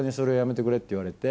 って言われて。